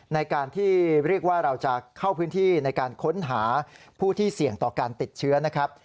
ในการที่เรียกว่าเราจะเข้าพื้นที่ในการค้นหาผู้ที่เสี่ยงต่อการติดเชื้อนะครับ